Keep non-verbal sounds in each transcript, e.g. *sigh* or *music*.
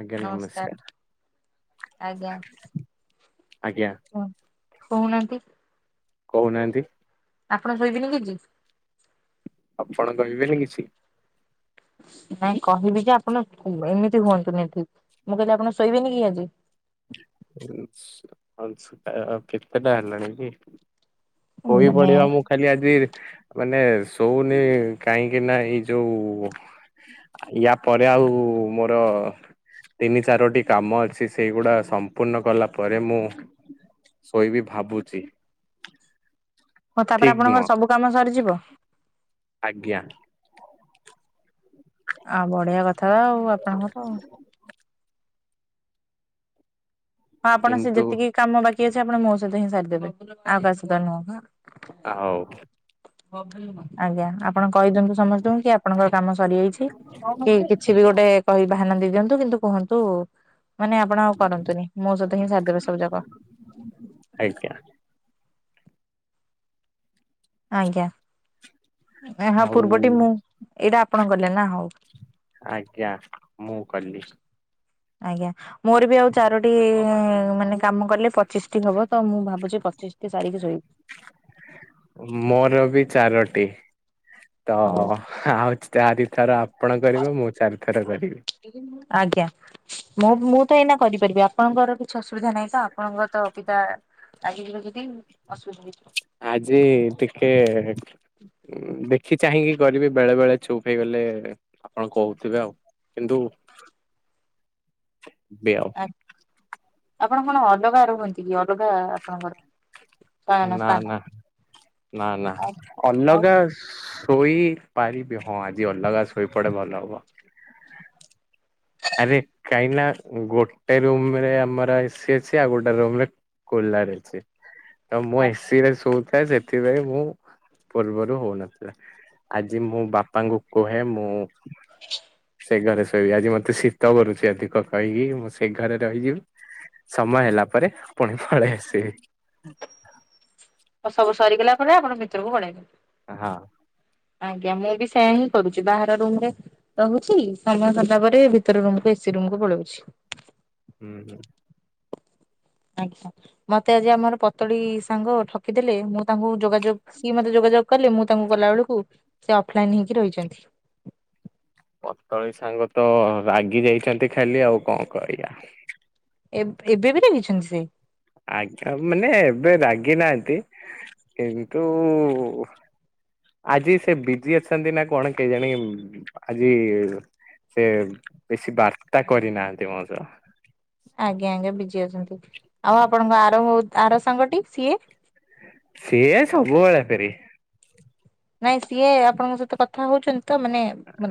ଆଜ୍ଞା ନମସ୍କାର ଆଜ୍ଞା ଆଜ୍ଞା କୁହ କହୁନାହାନ୍ତି କହୁନାହାନ୍ତି ଆପଣ ଶୋଇବେନି କିଜି ଆପଣ କହିବେନି କିଛି ନାଇଁ କହିବି ଯେ ଆପଣ ଏମିତି ହୁଅନ୍ତୁନି ଠିକ ମୁଁ କହିଲି ଆପଣ ଶୋଇବେନି କି ଆଜି *unintelligible* ଆଉ କେତେଟା ହେଲାଣି କି? କୋଇ ମାନେ ବଢ଼ିବା ମୁଁ କାଲି ଆଜି ମାନେ ଶଉନି କାହିଁକି ନା ଏଇ ଯୋଉ ୟା ପରେ ଆଉ ମୋର ତିନି ଚାରୋଟି କାମ ଅଛି ସେଇଗୁଡା ସମ୍ ପୂର୍ଣ୍ଣ କଲା ପରେ ମୁଁ ଶୋଇବି ଭାବୁଛି। ହ ତାପରେ ଠିକ ନୁହଁ ଆପଣଙ୍କର ସବୁ କାମ ସରିଯିବ। ଆଜ୍ଞା। ଆଉ ବଢ଼ିଆ କଥା ଆଉ ଆପଣଙ୍କର ହଁ ଆପଣ ସେ କିନ୍ତୁ ଯେତିକି କାମ ବାକି ଅଛି ଆପଣ ମୋ ସହିତ ହିଁ ସାରିଦେବେ ଆଉ କାହା ସହିତ ନୁହଁ। ଆଉ। ଆଜ୍ଞା ଆପଣ ଘ କହିଦିଅନ୍ତୁ ସମସ୍ତଙ୍କୁ କି ଆପଣଙ୍କର କାମ ସରିଯାଇଛି କି କିଛି ବି ଗୋଟେ କହି ବାହାନା ଦେଇ ଦିଅନ୍ତୁ କିନ୍ତୁ କୁହନ୍ତୁ ମାନେ ଆପଣ ଆଉ କରନ୍ତୁନି ମୋ ସହିତ ହିଁ ସାରିଦେବେ ସବୁ ଯାକ। ଆଜ୍ଞା ଆଜ୍ଞା ଏହା ଆଉ ପୂର୍ବଟି ମୁଁ ଏଇଟା ଆପଣ କଲେ ନା ହଉ। ଆଜ୍ଞା ମୁଁ କଲି। ଆଜ୍ଞା ମୋର ବି ଆଉ ଚାରୋଟି ମାନେ କାମ କଲେ ପଚିଶଟି ହବ ତ ମୁଁ ଭାବୁଛି ପଚିଶଟି ସାରିକି ଶୋଇବି। ମୋର ବି ତି ତ ହଉ ଆଉଛି ଚାରି ଥର ଆପଣ କରିବେ ମୁଁ ଚାରିଥର କରିବି। ଆଜ୍ଞା। ମୁଁ ମୁଁ ତ ଏଇନା କରିପାରିବି ଆପଣଙ୍କର କିଛି ଅସୁବିଧା ନାହିଁ ତ ଆପଣଙ୍କ ତ ପିତା *unintelligible* ଯଦି ଅସୁବିଧା। ଆଜି ଟିକେ ଉମ‌ ଦେଖି ଚାହିଁକି କରିବି ବେଳେ ବେଳେ ଚୁପ ହେଇଗଲେ ଆପଣ କହୁଥିବେ ଆଉ କିନ୍ତୁ *unintelligible* ଆପଣ କଣ ଅଲଗା ରୁହନ୍ତି କି ଅଲଗା ଆପଣଙ୍କର ଶୟନ ନା ସ୍ଥାନ ନା ନା ନା ଆଉ ଅଲଗା ଶୋଇ ପାରିବି ହଁ ଆଜି ଅଲଗା ଶୋଇପଡେ ଭଲ ହବ। ଆରେ କାହିଁକିନା ଗୋଟେ ରୁମରେ ଆମର ଏସି ଅଛି ଆଉ ଗୋଟେ ରୁମରେ କୁଲର ଅଛି ତ ମୁଁ ଆଜ୍ଞା ଏସିରେ ଶୋଇଥାଏ ସେଥିପାଇଁ ମୁଁ ପୂର୍ବରୁ ହଉନଥିଲା ଆଜି ମୁଁ ବାପାଙ୍କୁ କୁହେ ମୁଁ ସେ ଘରେ ଶୋଇବି ଆଜି ମତେ ଶୀତ କରୁଛି ଅଧିକ କହିକି ମୁଁ ସେ ଘରେ ରହିଯିବି। ସମୟ ହେଲା ପରେ ପୁଣି ପଳେଇ ଆସିବି। ଆଉ ସବୁ ସରିଗଲା ପରେ ଆପଣ ଭିତରକୁ ପଳେଇବେ। ହଁ। ଆଜ୍ଞା ମୁଁ ବି ସେୟା ହିଁ କରୁଛି ବାହାର ରୁମରେ ରହୁଛି ସମୟ ସରିଲା ପରେ ଭିତରେ ରୁମରେ ସେ ରୁମକୁୁ ପଳଉଛି। ହୁଁ ହୁଁ। ଆଜ୍ଞା ମତେ ଆଜି ଆମର ପତଳି ସାଙ୍ଗ ଠକିଦେଲେ ମୁଁ ତାଙ୍କୁ ଯୋଗାଯୋଗ ସିଏ ମତେ ଯୋଗ ଯୋଗ କଲେ ମୁଁ ତାଙ୍କୁ ଗଲା ବେଳକୁ ସେ ଅଫଲାଇନ ହେଇକି ରହିଛନ୍ତି। *inaudible* ପତଳି ସାଙ୍ଗ ତ ରାଗି ଯାଇଛନ୍ତି ଖାଲି ଆଉ କଣ କରିବା। ଏବେ ବି ରାଗିଛନ୍ତି ସେ। ଆଜ୍ଞା ମାନେ ଏବେ ରାଗି ନାହାନ୍ତି କିନ୍ତୁ ଆଜି ସେ ବିଜି ଅଛନ୍ତି ନା କଣ କେଜାଣି ଆଜି? ସେ ବେଶୀ ବାର୍ତ୍ତା କରିନାହାନ୍ତି ମୋ ସହ। ଆଜ୍ଞା ଆଜ୍ଞା ବିଜି ଅଛନ୍ତି ଆଉ ଆପଣଙ୍କ ଆର ଆର ସାଙ୍ଗଟି ସିଏ। ସିଏ ସବୁବେଳେ ଫେରି। ନାଇଁ ସିଏ ଆପଣଙ୍କ ସହିତ କଥା ହଉଛନ୍ତି। ତ ମାନେ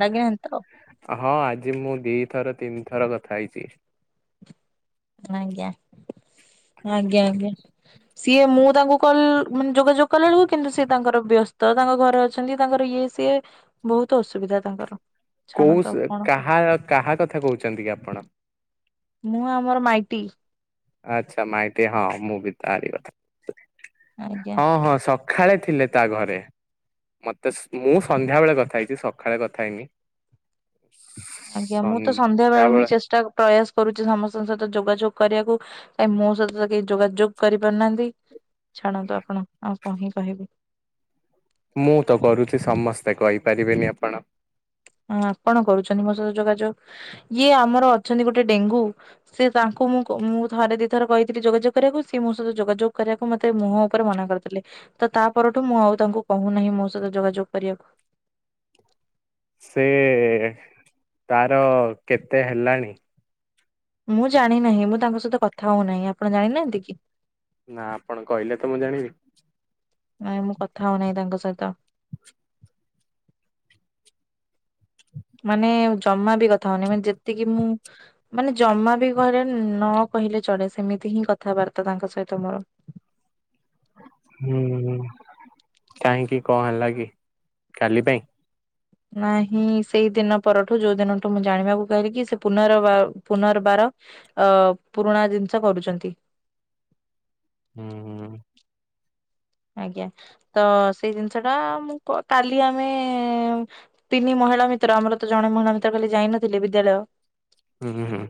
ରାଗିନାହାନ୍ତି ତ ହଁ ଆଜି ମୁଁ ଦିଥର ତିନି ଥର କଥା ହେଇଛି। ଆଜ୍ଞା ଆଜ୍ଞା ଆଂଜ୍ଞା। ସିଏ ମୁଁ ତାଙ୍କୁ କଲ ମାନେ ଯୋଗାଯୋଗ କଲାବେଳକୁ କିନ୍ତୁ ସିଏ ତାଙ୍କର ବ୍ୟସ୍ତ ତାଙ୍କ ଘରେ ଅଛନ୍ତି ତାଙ୍କ ଇଏ ସିଏ ବହୁତ ଅସୁବିଧା ତାଙ୍କର। କୋଉ ଛାଡ଼ନ୍ତୁ ଆଉ ସ‌ କଣ କହ କାହା କାହା କଥା କହୁଛନ୍ତି କି ଆପଣ। ମୁଁ ଆମର ମାଇଟି। ଆଚ୍ଛା ମାାଇଟି ହଁ ମୁଁ ବି ତାରି କଥା ଆଜ୍ଞା। *inaudible* ହଁ ହଁ ସ ଖେଳେ ଥିଲେ ତା ଘରେ। ମତେ ମୁଁ ସନ୍ଧ୍ୟା ବେଳେ କଥା ହେଇଛି ସକାଳେ କଥା ହେଇନି ଆଜ୍ଞା ମୁଁ ତ ସନ୍ଧ୍ୟା ବେଳ ହିଁ ସନ୍ଧ୍ୟାବେଳେ ଚେଷ୍ଟା ପ୍ରୟାସ କରୁଛି ସମସ୍ତଙ୍କ ସହିତ ଯୋଗାଯୋଗ କରିବାକୁ କାଇ ମୋ ସହିତ ତ କେହି ଯୋଗାଯୋଗ କରିପାରୁନାହାନ୍ତି ଛାଣନ୍ତୁ ଆପଣ ଆଉ କ ହିଁ କହିବେ ମୁଁ ତ କରୁଛି ସମସ୍ତେ କହିପାରିବେନି ଆପଣ ହଁ ଆପଣ କରୁଛନ୍ତି ମସାର ଯୋଗାଯୋଗ ଇଏ ଆମର ଅଛନ୍ତି ଗୋଟେ ଡେଙ୍ଗୁ ସେ ତାଙ୍କୁ ମୁଁ ମୁଁ ଥରେ ଦି ଥର କହିଥିଲି ଯୋଗାଯୋଗ କରିବାକୁ ସି ମୋ ସହିତ ଯୋଗାଯୋଗ କରିବାକୁ ମତେ ମୁହଁ ଉପରେ ମନା କରିଥିଲେ ତ ତା ପରଠୁ ମୁଁ ଆଉ ତାଙ୍କୁ କହୁନାହିଁ ମୋ ସହିତ ଯୋଗାଯୋଗ କରିବାକୁ ସେ ତାର କେତେ ହେଲାଣି ମୁଁ ଜାଣି ନାହିଁ ମୁଁ ତାଙ୍କ ସହିତ କଥା ହଉନାହିଁ ଆପଣ ଜାଣିନାହାନ୍ତି କି ନା ଆପଣ କହିଲେ ତ ମୁଁ ଜାଣିବି ନାଇଁ ମୁଁ କଥା ହଉନାହିଁ ତାଙ୍କ ସହିତ ମାନେ ଜମା ବି କଥା ହଉନି ମାନେ ଯେତିକି ମୁଁ ମାନେ ଜମା ବି ଘରେ ନ କହିଲେ ଚଳେେ ସେମିତି ହିଁ କଥାବାର୍ତ୍ତା ତାଙ୍କ ସହିତ ମୋର ହୁଁ କାହିଁକି କଣ ହେଲା କି କାଲି ପାଇଁ ନାହିଁ ସେଇ ଦିନ ପରଠୁ ଯୋଉ ଦିନଠୁ ମୁଁ ଜାଣିବାକୁ କହିଲି କି ସେ ପୁନର୍ବାର ପୁନର୍ବାର ଅ ପୁରୁଣା ଜିନିଷ କରୁଛନ୍ତି ହୁଁ ଆଜ୍ଞା ତ ସେଇ ଜିନିଷ ଟା ମୁ କାଲି ଆମେ ପିନି ମ ମହିଳା ମିତ୍ର ଆମର ତ ଜଣେ ମହିଳା ମିତ୍ର ଖାଲି ଯାଇନଥିଲେ ବିଦ୍ୟାଳୟ ହୁଁ ହୁଁ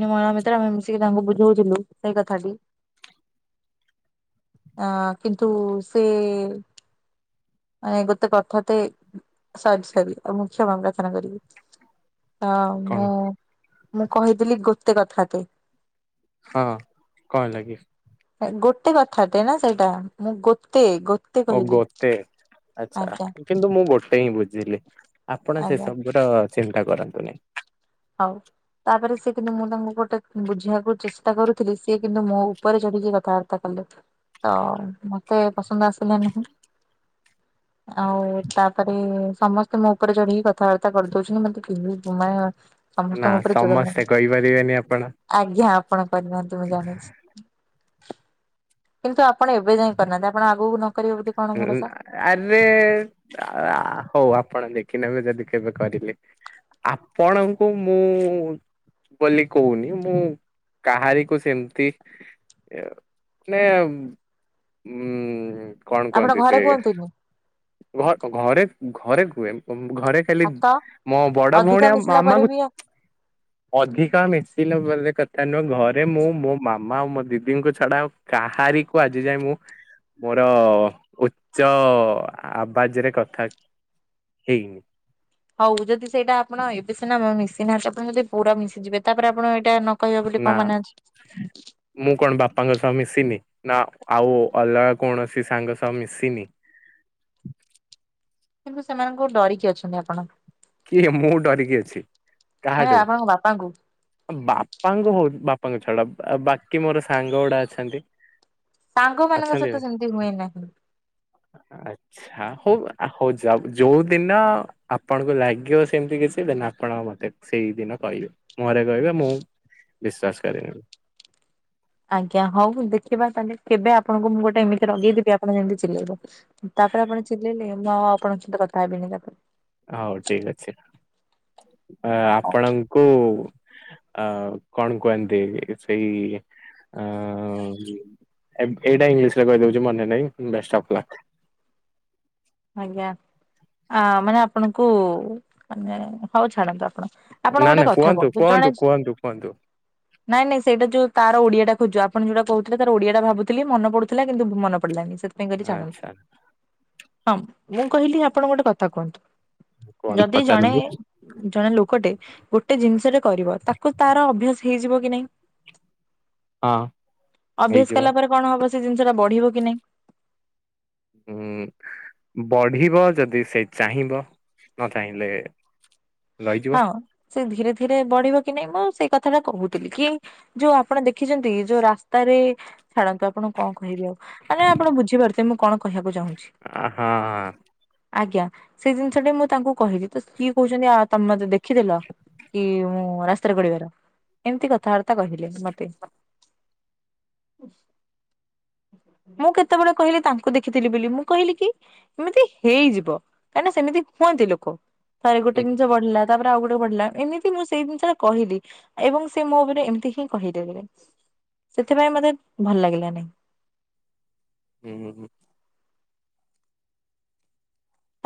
ମ ଭିତରେ ଆମେ ମିଶିକି ତାଙ୍କୁ ବୁଝଉଥିଲୁ ସେଇ କଥାଟି ଆ କିନ୍ତୁ ସେ ଆ ଗୋଟେ କଥା ତ ସରି ସରି ଆଉ ମୁଖଷମ ପ୍ରାର୍ଥନା କରିବି ହ କଣ ମୁଁ ମୁଁ କହିଥିଲି ଗୋଟେ କଥା କେ ହଁ କଣ ଲାଗି ଗୋଟେ କଥାଟେ ନା ସେଇଟା ମୁଁ ଗୋତେ ଓ ଗୋଟେ ଆଚ୍ଛା ଆଜ୍ଞା କିନ୍ତୁ ମୁଁ ଗୋଟେ ହିଁ ବୁଝିଲି ଆପଣ ସେ ଆଜ୍ଞା ସବୁୁଟ ଚିନ୍ତା କରନ୍ତୁନି ହଉ ତାପରେ ସେଏ କିନ୍ତୁ ମୁଁ ତାଙ୍କୁ ଗୋଟେ ବୁଝିବାକୁ ଚେଷ୍ଟା କରୁଥିଲି ସିଏ କିନ୍ତୁ ମୋ ଉପରେ ଚଢ଼ିକି କଥାବାର୍ତ୍ତା କଲା ତ ମତେ ପସନ୍ଦ ଆସିଲେ ନାହିଁ ଆଉ ତାପରେ ସମସ୍ତେ ମୋ ଉପରେ ଚଢିକି କଥାବାର୍ତ୍ତା କରିଦଉଛନ୍ତି ମତେ ନା ସମସ୍ତଙ୍କ ଉପରେ ଚୋର ସମସ୍ତେ କହିପାରିବେନି ଆପଣ ଆଜ୍ଞା ନାହାନ୍ତି ମୁଁ ଜାଣିଛି କିନ୍ତୁ ଆପଣ ଏବେ ଯାଇ କରିନାହାନ୍ତି ଆପଣ ଆଗକୁ ନ କରିବେ ବୋଲି କଣ ହଁ ଭରସା ଆରେ ହଉ ଆପଣ ଦେଖ ଦେଖ ନେବେ ଯଦି କେବେ କରିଲେ ଆପଣଙ୍କୁ ମୁଁ ବୋଲି କହୁନି ମୁଁ କାହାରିକୁ ସେମିତି ମାନେ ହୁଁ କଣ ଆପଣ କୁହନ୍ତି ସେ ଘରେ କୁହନ୍ତୁନି। ଘ ଘରେ ଘରେ କୁଏ ଘରେ ଖାଲି ଭାତ ମୋ ବଡ ଅଧିକ ଭଉଣୀ ଆଉ ମିଶିଲା ପରେ ମାମାଙ୍କୁ ବି ଅଧିକା ମିଶିଲେ ବ କଥା ନୁହଁ ଘରେ ମୁଁ ମୋ ମା ମାମା ଆଉ ମୋ ଦିଦିଙ୍କୁ ଛାଡା ଆଉ କାହାରି କୁ ଆଜି ଯାଇ ମୁଁ ମୋର ଓ ଉଚ୍ଚ ଆବାଜରେ କଥା ହେଇନି ହଉ ଯଦି ସେଇଟା ଆପଣ ଏବେ ସିନା ମିଶିନାହା ଆପଣ ଯଦି ପୁରା ମିଶିଯିବେ ତାପରେ ଆପଣ ତା ନ କହିବା ବୋଲି ନା କଣ ମାନେ ଅଛି ମୁଁ କଣ ବାପାଙ୍କ ସହ ମିଶିନି ନା ଆଉ ଅଲଗା କୌଣସି ସେ ସାଙ୍ଗ ସହ ମିଶିନି କିନ୍ତୁ ସେମାନଙ୍କୁ ଡରିକି ଅଛନ୍ତି ଆପଣ କିଏ ମୁଁ ଡରିକି ଅଛି ମାନେ କାହାଠୁ ଆପଣଙ୍କ ବାପାଙ୍କୁ ଆ ବାପାଙ୍କ ହଉ ବାପା ବାପାଙ୍କ ଛଡା ଆଉ ବାକି ମୋର ସାଙ୍ଗ ଗୁଡା ଅଛନ୍ତି ସାଙ୍ଗ ମାନଙ୍କ ଆଛା ସହିତ ସେମିତି ହୁଏ ନାହିଁ। ଆଛା ହଉ ହଉ ଯାଉ ଯୋଉ ଦିନ ଆପଣଙ୍କୁ ଲାଗ ଆ ସେମିତି କିଛି ଦେ ଆପଣ ମତେ ସେଇଦିନ କହିବେ ମୋରେ କହିବେ ମୁଁ ବିଶ୍୍ୱାସ କରରେନି ଆଜ୍ଞା ହଉ ଦେଖିବା ତାହେଲେ କେବେ ଆପଣଙ୍କୁ ମୁଁ ଗୋଟେ ଏମିତି ଲଗେଇଦବି ଆପଣ ଯେମିତି ଚିଲେଇବ ତାପରେ ଆପଣ ଚିଲେଇିଲଲେ ମୁଁ ଆଉ ଆପଣଙ୍କ ସହିତ କଥା ହେବିନି ତାପରେ ହଉ ଠିକ ଅଛି ଆପଣଙ୍କୁ ଅ କଣ କୁହନ୍ତି ସେଇ ଅ ଏଇଟା ଇଂଲିଶ ରେ କହିଦଉଛି ମନେ ନାଇଁଫ ଆଜ୍ଞା ଆ ମାନେ ଆପଣଙ୍କୁ ମାନେ ହଉ ଛାଡ଼ନ୍ତୁ ଆପଣ ଆପଣ ନା ଗୋଟେ ନା କଥା କୁହନ୍ତୁ କହନ୍ତୁ ଜଣେ କୁହନ୍ତୁ କୁହନ୍ତୁ କୁହନ୍ତୁ। ନାଇଁ ନାଇଁ ସେଇଟା ଯୋଉ ତାର ଓଡିଆଟା ଖୋଜୁ ଆପଣ ଯୋଉଟା କହୁଥିଲେ ତାର ଓଡିଆଟା ଭାବୁି ମନ ପଡୁଥିଲା କିନ୍ତୁ ମନ ପଡିଲାି ସେଥିପାଇଁ କରି ଜଣ ଆଚ୍ଛା ହଁ ମୁଁ କହିଲି ଆପଣ ଗୋଟେ କଥା କୁହନ୍ତୁ କୁହନ୍ତୁ ଯଦି ଜଣେ ପଚାରନ୍ତୁ ଜଣେ ଲୋକଟେ ଗୋଟେ ଜିନିଷଟରେ କରିବ ତାକୁ ତାର ଅଭ୍ୟାସ ହେଇଯିବ କି ନାଇଁ ହଁ ଅଭ୍ୟାସ ହେଇଯିବ କଲା ପରେ କଣ ହବ ସେ ଜିନିଷ ଟା ବଢିବ କି ନାଇଁ ହୁଁ ବଢିବ ଯଦି ସେ ଚାହିଁବ ନ ଚାହିଁଲେ ରହିଯିବ ହଁ ସେ ଧୀରେ ଧୀରେ ବଢିବ କି ନାଇଁ ମୁଁ ସେଇ କଥାଟା କହୁଥିଲି କି ଯୋଉ ଆପଣ ଦେଖିଛନ୍ତି ଯୋଉ ରାସ୍ତାରେ ଛାଡ଼ନ୍ତୁ ଆପଣ କଣ କହିବି ଆଉ ମାନେ ଆପଣ ବୁଝିପାରୁଥେ ମୁଁ କଣ କହିବାକୁ ଚାହୁଁଛି ହଁ ଆଜ୍ଞା ସେଇ ଜିନିଷ ଟ ମୁଁ ତାଙ୍କୁ କହିଲି ତ କିଏ କହୁଛନ୍ତି ଆଉ ତମେ ମତେ ଦେଖିଦଲ କି ମୁଁ ରାସ୍ତାରେ ଗଡିବାର ଏମିତି କଥାବାର୍ତ୍ତା କହିଲେ ମତେ ମୁଁ କେତେବେଳେ କହିଲି ତାଙ୍କୁ ଦେଖିଥିଲି ବୋଲି ମୁଁ କହିଲି କି ଏମିତି ହେଇଯିବ କାହିଁକିନା ସେମିତି କୁହନ୍ତି ଲୋକ ତାରେ ଗୋଟେ ପଢିଲା ତାପରେ ଆଉ ଗୋଟେ ପଢିଲା ଏମିତି ମୁଁ ସେଇ ଜିନିଷା କହିଲି ଏବଂ ସେ ମୋ ଉପରେ ଏମିତି ହିଁ କହିଦେ ସେଥିପାଇଁ ମତେ ଭଲ ଲାଗିଲା ନାାଇଁ ହୁଁ ହୁ ହ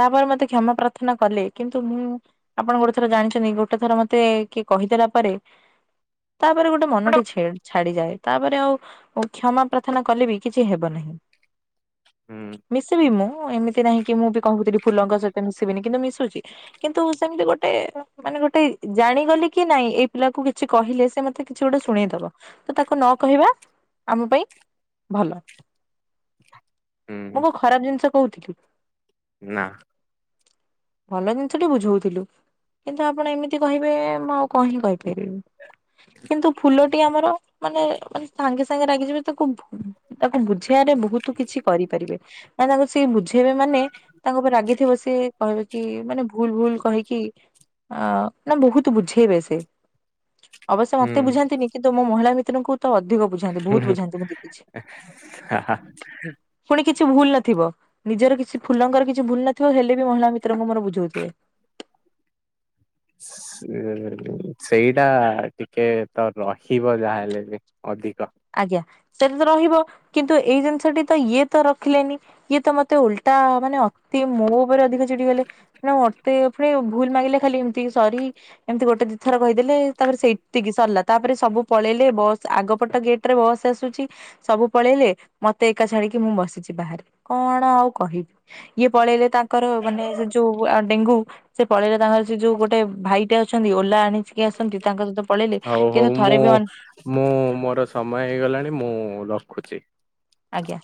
ତାପରେ ମତେ କ୍ଷମା ପ୍ରାର୍ଥନା କଲେ କିନ୍ତୁ ମୁଁ ଆପଣ ଗୋଟେ ଥର ଜାଣିଛନ୍ତି ଗୋଟେ ଥର ମତେ କିଏ କହିଦେଲା ପରେ ତାପରେ ଗୋଟେ ମନଟି ଛାଡିଯାଏ ତାପରେ ଆଉ କ୍ଷମା ପ୍ରାର୍ଥନା କଲେ ବି କିଛି ହେବ ନାହିଁ ମିଶିବି ମୁଁ ଏମିତି ନାହିଁ କି ମୁଁ ବି କହୁଥିଲି ଫୁଲଙ୍କ ସହିତ ମିଶିବିନି କିନ୍ତୁ ମିଶୁଚି। କିନ୍ତୁ ସେମିତି ଗୋଟେ ମାନେ ଗୋଟେ ଜାଣିଗଲି କ କି ନାଇଁ ଏଇ ପିଲାକୁ କିଛି କହିଲେ ସେ ମତେ କିଛି ଗୋଟେ ଶୁଣେଇଦବ। ତ ତାକୁ ନ କହିବା ଆମ ପାଇଁ ଭଲ। ମୁଁ କୋଉ ଖରାପ ଜିନିଷ କହୁଥିଲି। ନା। ଭଲ ଜିନିଷଟି ବୁଝଉଥିଲୁ। କିନ୍ତୁ ଆପଣ ଏମିତି କହିବେ ମୁଁ ଆଉ କ ହିଁ କହିପାରିବି। କିନ୍ତୁ ଫୁଲଟି ଆମର ମାନେ ମାନେ ସାଙ୍ଗେ ସାଙ୍ଗେ ରାଗିଯିବେ ତାକୁ ତାକୁ ବୁ ବୁଝେଇଆରେ ବହୁତ କିଛି କରିପାରିବେ। କାଇଁ ତାଙ୍କୁ ସେଇ ବୁଝେଇବେ ମାନେ କହିବ କି ମାନେ ଭୁଲ ଭୁଲ କହିକି ଅ ନା ବହୁତ ବୁଝେଇବେ ସେ। ଅବଶ୍ୟ ମତେ ହୁଁ ବୁଝାନ୍ତିନି କିନ୍ତୁ ମୋ ମହିଳା ମିତ୍ରଙ୍କୁ ତ ଅ ଅଧିକ ବୁଝାନ୍ତି ବହୁତ ବୁଝାନ୍ତି ମୁଁ ଦେଖିଛି। ପୁଣି କି କିଛି ଭୁଲ ନଥିବ ନିଜର କିଛି ଫୁଲଙ୍କର କିଛି ଭୁଲ ନଥିବ ହେଲେ ବି ମହିଳା ମିତ୍ରଙ୍କୁ ମୋର ବୁଝଉଥିବେ। ସେ ସେଇଟା ଟିକେ ତ ରହିବ ଯାହାହେଲେ ବି। ଅଧିକ ଆଜ୍ଞା ସେନ ରହିବ କିନ୍ତୁ ଏଇ ଜିନିଷଟି ତ ଇଏ ତ ରଖିଲେନି। ଇଏ ତ ମତେ ଉଲଟା ମାନେ ଅତି ମୋ ଉପରେ ଅଧିକ ଚିଡି ଗଲେ ନା ମତେ ପୁଣି ଭୁଲ ମାଗିଲେ ଖାଲି ଏମିତି ସରି ଏମିତି ଗୋଟେ ଦିଥର କହିଦେଲେ। ତାପରେ ସେତିକି ସରିଲା ତାପରେ ସବୁ ପଳେ ଲେ ବସ୍ ଆଗପଟ ଗେଟ ରେ ବସ ଆସୁଛି। ସବୁ ପଳେଇଲେ ମତେ ଏକା ଛାଡିକି ମୁଁ ବସିଛି ବାହାରେ। କଣ ଆଉ କହି ଏ ପଳେଇଲେ ତା ଙ୍କର ମାନେ ସେ ଯୋଉ ଡେଙ୍ଗୁ ସେ ପଳେଇଲେ। ତାଙ୍କର ସେ ଯୋଉ ଗୋଟେ ଭାଇଟେ ଅଛନ୍ତି ଓଲା ଆଣିଚି। ହଉ ହଉ ମୁଁ ବି ଅନ୍ ମୁଁ ମୋର ସମୟ ହେଇଗଲାଣି ମୁଁ ରଖୁଚି। ଆଜ୍ଞା।